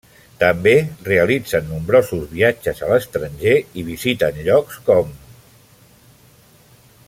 També realitzen nombrosos viatges a l'estranger i visiten llocs com: